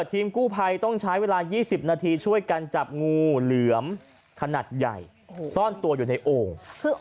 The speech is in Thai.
ทีมกู้ภัยต้องใช้เวลา๒๐นาทีมาช่วยจับงูเหลือมส้อมตัวอยู่ในโอ่ง